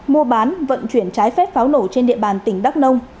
mua bán vận chuyển trái phép pháo nổ trên địa bàn tỉnh đắk nông